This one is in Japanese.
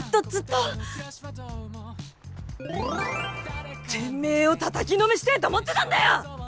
てめえをたたきのめしてえと思ってたんだよ！